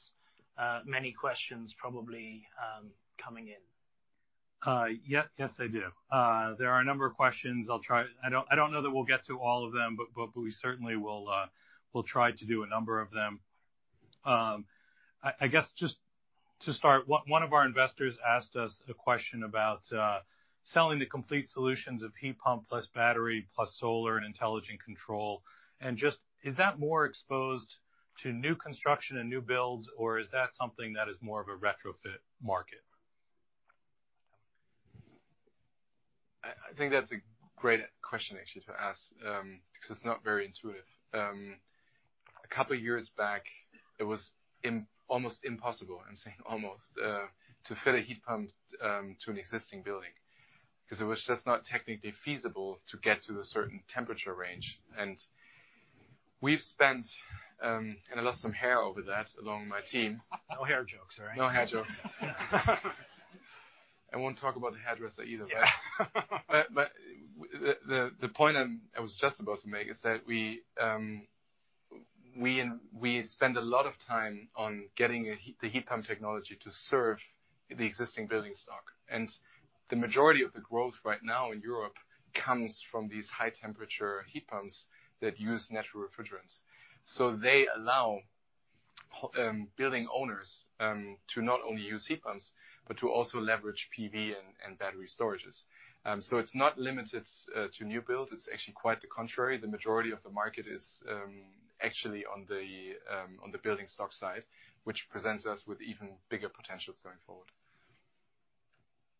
S3: many questions probably coming in.
S1: Yes. Yes, I do. There are a number of questions. I'll try. I don't know that we'll get to all of them, but we certainly will try to do a number of them. I guess just to start, one of our investors asked us a question about selling the complete solutions of heat pump plus battery, plus solar and intelligent control, and just... Is that more exposed to new construction and new builds, or is that something that is more of a retrofit market?
S4: I think that's a great question, actually, to ask, because it's not very intuitive. A couple of years back, it was almost impossible, I'm saying almost, to fit a heat pump to an existing building, 'cause it was just not technically feasible to get to a certain temperature range. And we've spent, and I lost some hair over that, along with my team.
S2: No hair jokes, all right?
S4: No hair jokes. I won't talk about the hairdresser either, but-
S2: Yeah.
S4: But the point I was just about to make is that we spend a lot of time on getting the heat pump technology to serve the existing building stock. And the majority of the growth right now in Europe comes from these high-temperature heat pumps that use natural refrigerants. So they allow building owners to not only use heat pumps, but to also leverage PV and battery storages. So it's not limited to new builds, it's actually quite the contrary. The majority of the market is actually on the building stock side, which presents us with even bigger potentials going forward.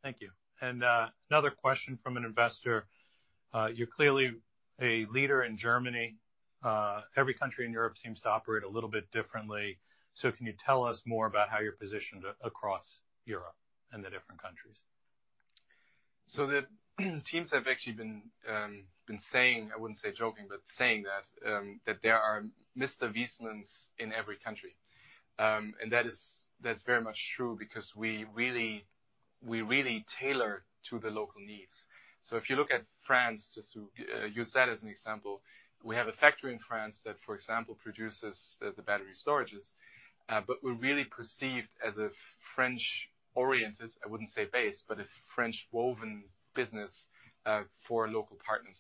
S1: Thank you. And, another question from an investor: You're clearly a leader in Germany. Every country in Europe seems to operate a little bit differently. So can you tell us more about how you're positioned across Europe and the different countries?
S4: So the teams have actually been saying, I wouldn't say joking, but saying that, that there are Mr. Viessmanns in every country. And that is—that's very much true because we really, we really tailor to the local needs. So if you look at France, just to use that as an example, we have a factory in France that, for example, produces the battery storages, but we're really perceived as a French-oriented, I wouldn't say base, but a French-woven business for local partners.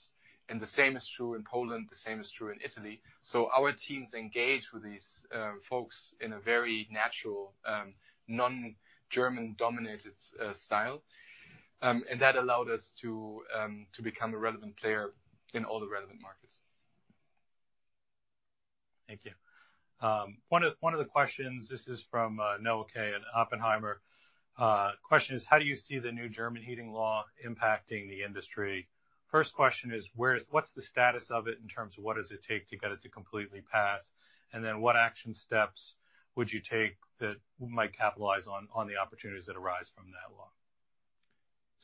S4: And the same is true in Poland, the same is true in Italy. So our teams engage with these folks in a very natural, non-German dominated style. And that allowed us to become a relevant player in all the relevant markets....
S1: Thank you. One of, one of the questions, this is from Noah Kaye at Oppenheimer. Question is: How do you see the new German heating law impacting the industry? First question is, where is, what's the status of it in terms of what does it take to get it to completely pass? And then what action steps would you take that might capitalize on the opportunities that arise from that law?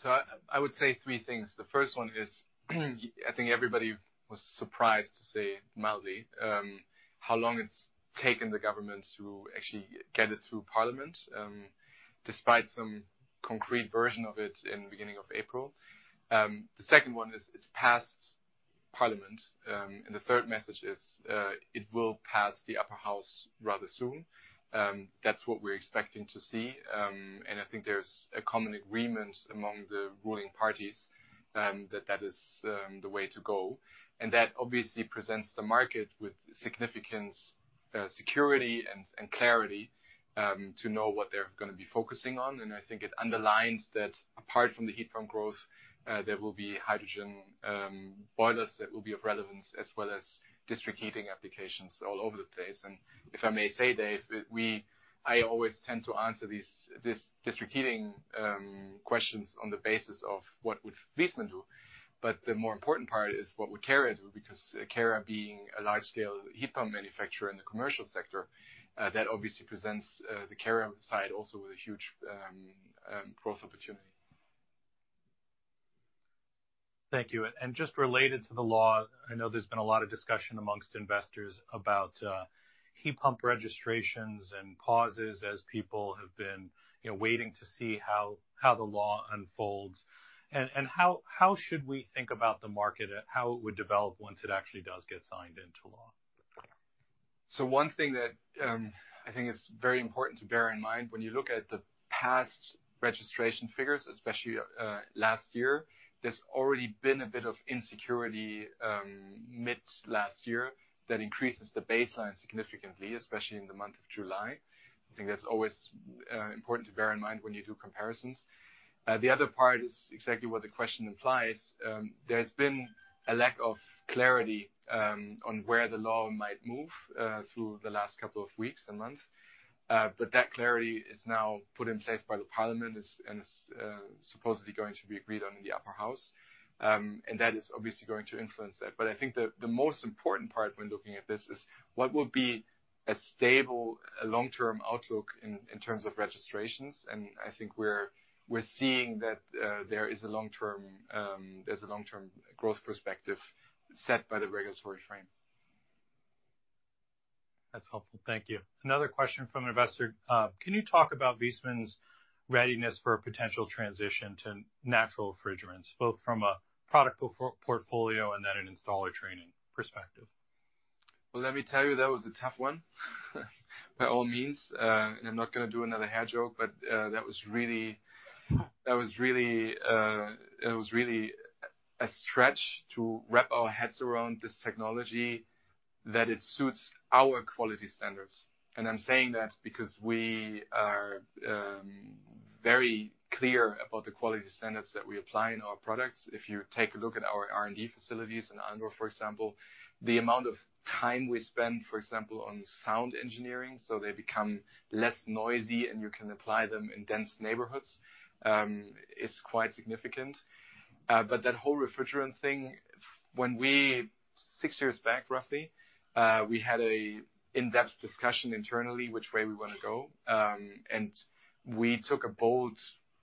S4: I, I would say three things. The first one is, I think everybody was surprised, to say mildly, how long it's taken the government to actually get it through parliament, despite some concrete version of it in the beginning of April. The second one is, it's passed parliament, and the third message is, it will pass the upper house rather soon. That's what we're expecting to see, and I think there's a common agreement among the ruling parties, that that is, the way to go. And that obviously presents the market with significant, security and, and clarity, to know what they're gonna be focusing on. I think it underlines that apart from the heat pump growth, there will be hydrogen boilers that will be of relevance, as well as district heating applications all over the place. If I may say, Dave, I always tend to answer these district heating questions on the basis of what would Viessmann do. But the more important part is what would Carrier do, because Carrier being a large-scale heat pump manufacturer in the commercial sector, that obviously presents the Carrier side also with a huge growth opportunity.
S1: Thank you. And just related to the law, I know there's been a lot of discussion among investors about heat pump registrations and pauses as people have been, you know, waiting to see how the law unfolds. And how should we think about the market and how it would develop once it actually does get signed into law?
S4: So one thing that I think is very important to bear in mind when you look at the past registration figures, especially last year, there's already been a bit of insecurity mid last year that increases the baseline significantly, especially in the month of July. I think that's always important to bear in mind when you do comparisons. The other part is exactly what the question implies. There's been a lack of clarity on where the law might move through the last couple of weeks and months. But that clarity is now put in place by the parliament and is, and is supposedly going to be agreed on in the upper house. And that is obviously going to influence that. I think the most important part when looking at this is what will be a stable, long-term outlook in terms of registrations. I think we're seeing that there is a long-term growth perspective set by the regulatory frame.
S1: That's helpful. Thank you. Another question from an investor. Can you talk about Viessmann's readiness for a potential transition to natural refrigerants, both from a product portfolio and then an installer training perspective?
S4: Well, let me tell you, that was a tough one. By all means, I'm not gonna do another hair joke, but that was really a stretch to wrap our heads around this technology, that it suits our quality standards. And I'm saying that because we are very clear about the quality standards that we apply in our products. If you take a look at our R&D facilities in Allendorf, for example, the amount of time we spend, for example, on sound engineering, so they become less noisy and you can apply them in dense neighborhoods, is quite significant. But that whole refrigerant thing, when we six years back, roughly, we had an in-depth discussion internally, which way we want to go. We took a bold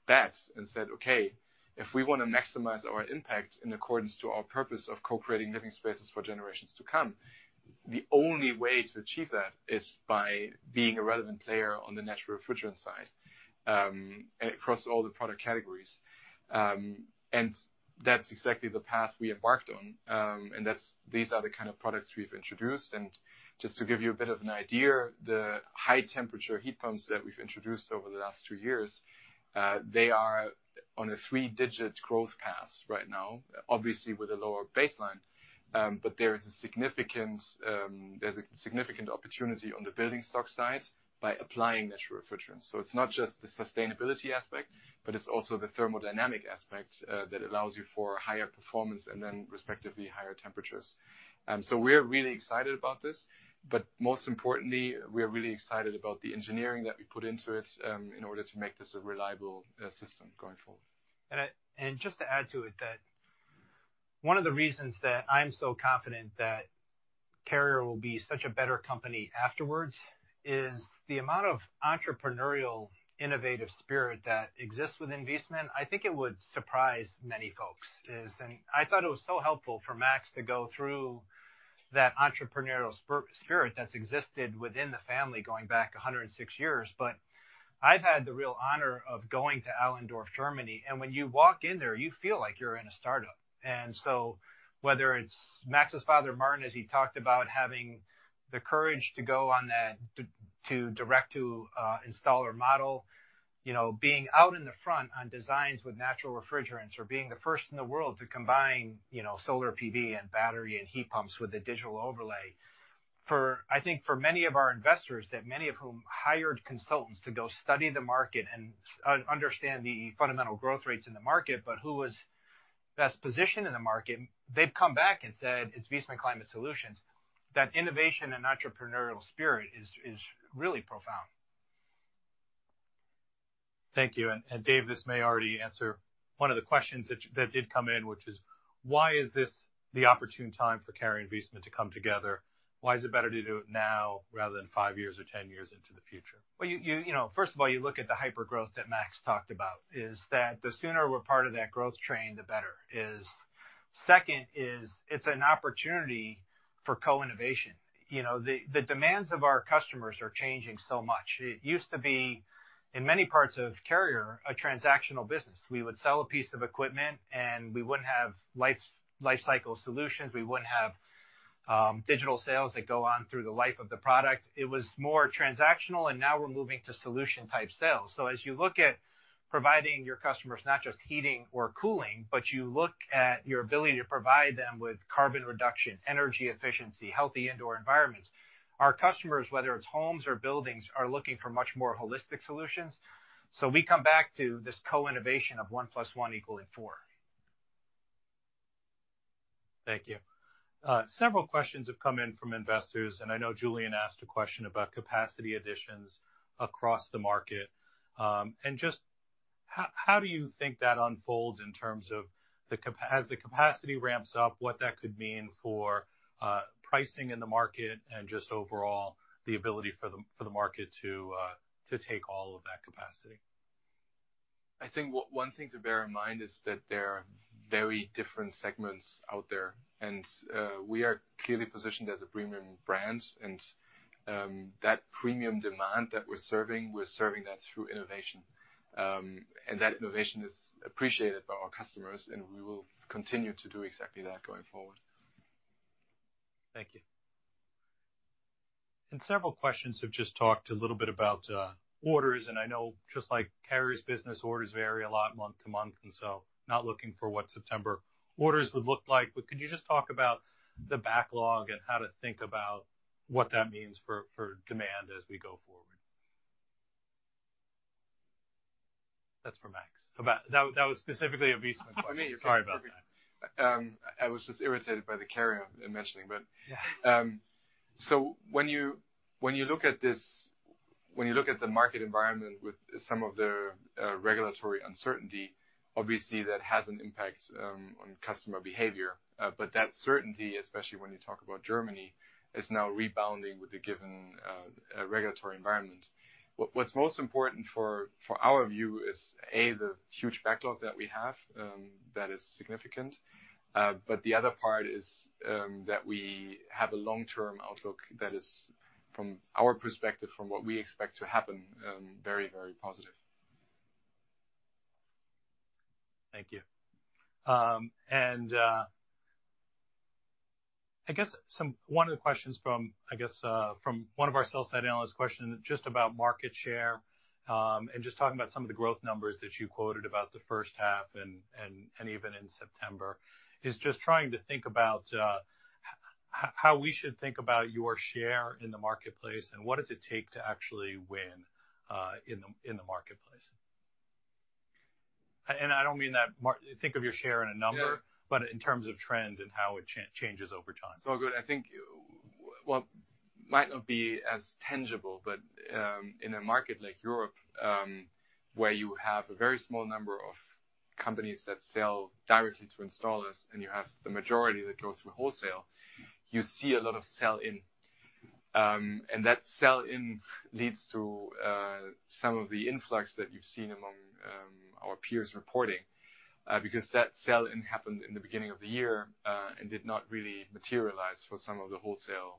S4: bet and said, "Okay, if we want to maximize our impact in accordance to our purpose of co-creating living spaces for generations to come, the only way to achieve that is by being a relevant player on the natural refrigerant side, and across all the product categories." That's exactly the path we embarked on. That's—these are the kind of products we've introduced. Just to give you a bit of an idea, the high-temperature heat pumps that we've introduced over the last two years, they are on a three-digit growth path right now, obviously, with a lower baseline, but there's a significant opportunity on the building stock side by applying natural refrigerants. So it's not just the sustainability aspect, but it's also the thermodynamic aspect that allows you for higher performance and then, respectively, higher temperatures. So we're really excited about this, but most importantly, we are really excited about the engineering that we put into it, in order to make this a reliable system going forward.
S2: And just to add to it, that one of the reasons that I'm so confident that Carrier will be such a better company afterwards is the amount of entrepreneurial, innovative spirit that exists within Viessmann. I think it would surprise many folks. And I thought it was so helpful for Max to go through that entrepreneurial spirit that's existed within the family going back 106 years. But I've had the real honor of going to Allendorf, Germany, and when you walk in there, you feel like you're in a startup. Whether it's Max's father, Martin, as he talked about, having the courage to go on that, to direct-to-installer model, you know, being out in the front on designs with natural refrigerants, or being the first in the world to combine, you know, solar PV and battery and heat pumps with a digital overlay. For-I think for many of our investors, that many of whom hired consultants to go study the market and understand the fundamental growth rates in the market, but who was best positioned in the market, they've come back and said, "It's Viessmann Climate Solutions." That innovation and entrepreneurial spirit is really profound.
S1: Thank you. And Dave, this may already answer one of the questions that did come in, which is: Why is this the opportune time for Carrier and Viessmann to come together? Why is it better to do it now rather than five years or 10 years into the future?
S2: Well, you know, first of all, you look at the hypergrowth that Max talked about, is that the sooner we're part of that growth train, the better. Second is, it's an opportunity for co-innovation. You know, the demands of our customers are changing so much. It used to be, in many parts of Carrier, a transactional business. We would sell a piece of equipment, and we wouldn't have life-cycle solutions. We wouldn't have digital sales that go on through the life of the product. It was more transactional, and now we're moving to solution-type sales. So as you look at providing your customers not just heating or cooling, but you look at your ability to provide them with carbon reduction, energy efficiency, healthy indoor environments, our customers, whether it's homes or buildings, are looking for much more holistic solutions. We come back to this co-innovation of 1 + 1 equaling 4.
S1: Thank you. Several questions have come in from investors, and I know Julian asked a question about capacity additions across the market. Just how do you think that unfolds in terms of the capacity as the capacity ramps up, what that could mean for pricing in the market and just overall, the ability for the market to take all of that capacity?
S4: I think one thing to bear in mind is that there are very different segments out there, and we are clearly positioned as a premium brand. And that premium demand that we're serving, we're serving that through innovation. And that innovation is appreciated by our customers, and we will continue to do exactly that going forward.
S1: Thank you. Several questions have just talked a little bit about orders, and I know just like Carrier's business, orders vary a lot month to month, and so not looking for what September orders would look like. But could you just talk about the backlog and how to think about what that means for demand as we go forward? That's for Max.
S4: That was specifically a Viessmann question. Sorry about that. I was just irritated by the Carrier I'm mentioning, but-
S1: Yeah.
S4: So when you look at the market environment with some of the regulatory uncertainty, obviously, that has an impact on customer behavior. But that certainty, especially when you talk about Germany, is now rebounding with the given regulatory environment. What's most important for our view is, A, the huge backlog that we have that is significant. But the other part is that we have a long-term outlook that is, from our perspective, from what we expect to happen, very, very positive.
S1: Thank you. And I guess one of the questions from, I guess, from one of our sell-side analyst question, just about market share, and just talking about some of the growth numbers that you quoted about the first half and even in September, is just trying to think about how we should think about your share in the marketplace and what does it take to actually win in the marketplace? And I don't mean that market, think of your share in a number-
S4: Yeah.
S1: but in terms of trend and how it changes over time.
S4: So good. I think what might not be as tangible, but, in a market like Europe, where you have a very small number of companies that sell directly to installers, and you have the majority that go through wholesale, you see a lot of sell-in. And that sell-in leads to, some of the influx that you've seen among, our peers reporting, because that sell-in happened in the beginning of the year, and did not really materialize for some of the wholesale,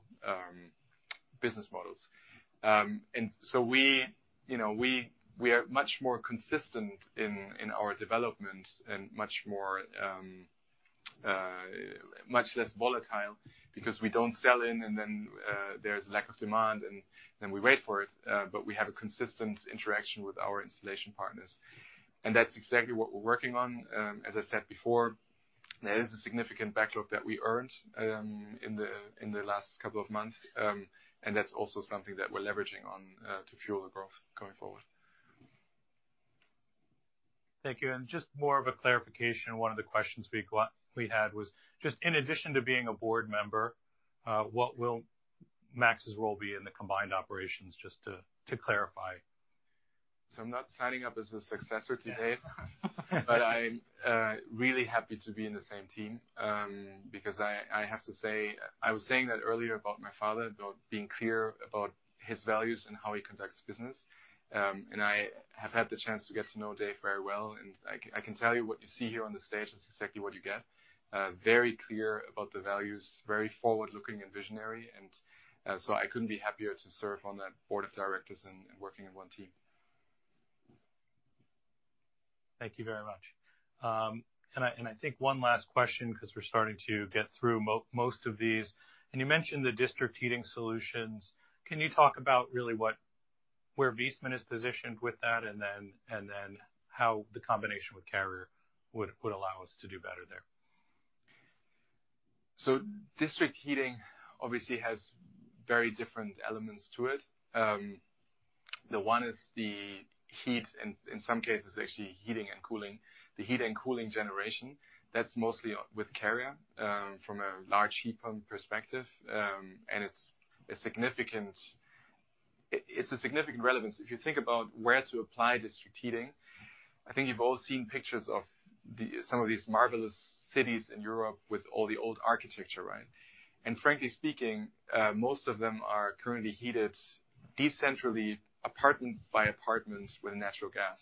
S4: business models. And so we, you know, we are much more consistent in our development and much more, much less volatile because we don't sell in, and then, there's lack of demand, and then we wait for it. But we have a consistent interaction with our installation partners, and that's exactly what we're working on. As I said before, there is a significant backlog that we earned in the last couple of months, and that's also something that we're leveraging on to fuel the growth going forward.
S1: Thank you. Just more of a clarification, one of the questions we had was: Just in addition to being a board member, what will Max's role be in the combined operations? Just to clarify.
S4: So I'm not signing up as a successor to Dave. But I'm really happy to be in the same team, because I have to say... I was saying that earlier about my father, about being clear about his values and how he conducts business. And I have had the chance to get to know Dave very well, and I can tell you what you see here on the stage is exactly what you get. Very clear about the values, very forward-looking and visionary, and so I couldn't be happier to serve on that board of directors and working in one team.
S1: Thank you very much. I think one last question, 'cause we're starting to get through most of these. You mentioned the district heating solutions. Can you talk about really what, where Viessmann is positioned with that and then how the combination with Carrier would allow us to do better there?...
S4: So district heating obviously has very different elements to it. The one is the heat, and in some cases, actually heating and cooling, the heat and cooling generation, that's mostly with Carrier, from a large heat pump perspective, and it's a significant relevance. If you think about where to apply district heating, I think you've all seen pictures of some of these marvelous cities in Europe with all the old architecture, right? And frankly speaking, most of them are currently heated decentrally, apartment by apartment, with natural gas.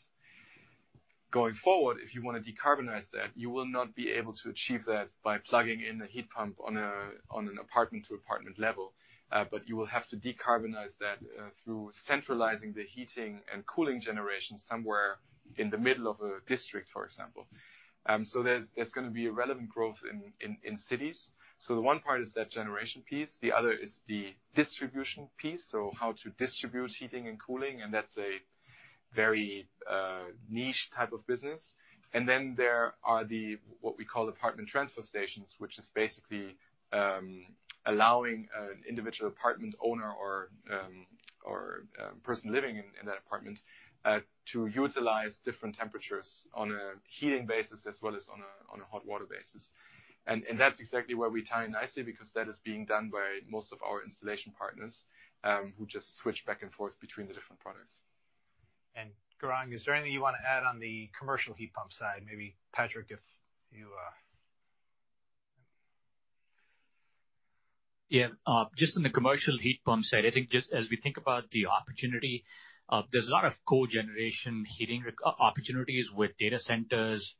S4: Going forward, if you wanna decarbonize that, you will not be able to achieve that by plugging in a heat pump on an apartment to apartment level, but you will have to decarbonize that through centralizing the heating and cooling generation somewhere in the middle of a district, for example. So there's gonna be a relevant growth in cities. So the one part is that generation piece, the other is the distribution piece, so how to distribute heating and cooling, and that's a very niche type of business. And then there are the, what we call, apartment transfer stations, which is basically allowing an individual apartment owner or person living in that apartment to utilize different temperatures on a heating basis as well as on a hot water basis. And that's exactly where we tie in nicely because that is being done by most of our installation partners, who just switch back and forth between the different products.
S2: Gaurang, is there anything you wanna add on the commercial heat pump side? Maybe, Patrick, if you,
S6: Yeah. Just on the commercial heat pump side, I think just as we think about the opportunity, there's a lot of cogeneration heating opportunities with data centers,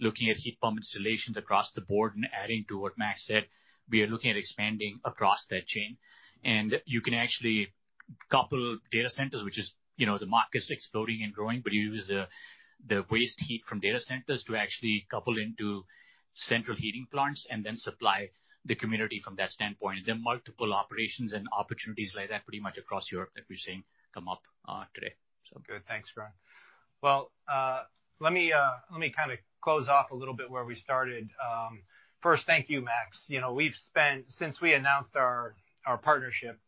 S6: looking at heat pump installations across the board. And adding to what Max said, we are looking at expanding across that chain. And you can actually couple data centers, which is, you know, the market's exploding and growing, but use the waste heat from data centers to actually couple into central heating plants and then supply the community from that standpoint. There are multiple operations and opportunities like that pretty much across Europe that we're seeing come up, today, so.
S2: Good. Thanks, Gaurang. Well, let me, let me kinda close off a little bit where we started. First, thank you, Max. You know, we've spent. Since we announced our, our partnership,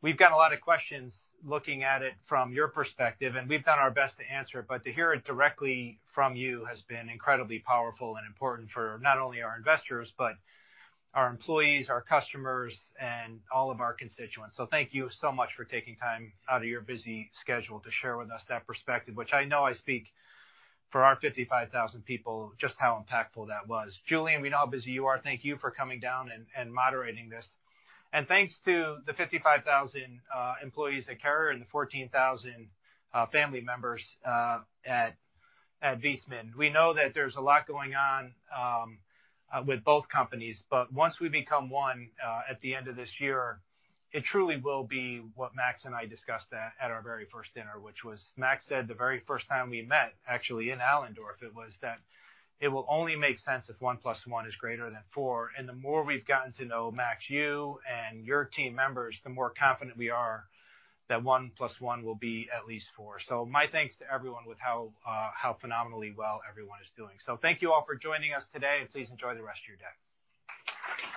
S2: we've got a lot of questions looking at it from your perspective, and we've done our best to answer it, but to hear it directly from you has been incredibly powerful and important for not only our investors, but our employees, our customers, and all of our constituents. So thank you so much for taking time out of your busy schedule to share with us that perspective, which I know I speak for our 55,000 people, just how impactful that was. Julian, we know how busy you are. Thank you for coming down and, and moderating this. And thanks to the 55,000 employees at Carrier and 14,000 family members at Viessmann. We know that there's a lot going on with both companies, but once we become one at the end of this year, it truly will be what Max and I discussed at our very first dinner, which was Max said the very first time we met, actually in Allendorf. It was that it will only make sense if one plus one is greater than four. And the more we've gotten to know Max, you and your team members, the more confident we are that one plus one will be at least four. So my thanks to everyone with how phenomenally well everyone is doing. So thank you all for joining us today, and please enjoy the rest of your day.